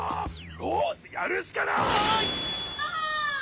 よしやるしかない！